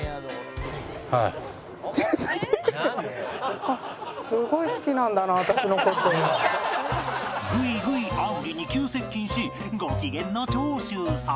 ぐいぐいあんりに急接近しご機嫌の長州さん